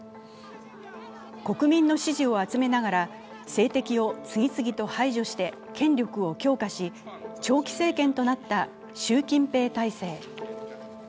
国民の支持を集めながら政敵を次々と排除して権力を強化し、長期政権となった習近平体制。